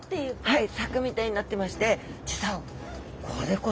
はい。